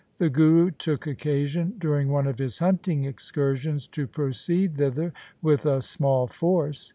The Guru took occasion during one of his hunting excursions to proceed thither with a small force.